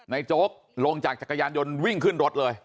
โจ๊กลงจากจักรยานยนต์วิ่งขึ้นรถเลย